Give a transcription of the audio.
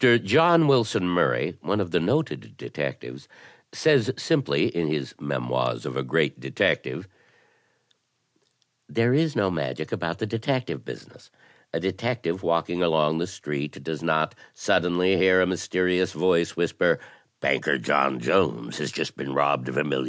John Wilson Murray, one of the noted detectives, says simply in his "Memoirs of a Great Detective": "There is no magic about the detective business. A detective walking along the street does not suddenly hear a mysterious voice whisper * Banker John Jones has just been robbed of $1,000,000.'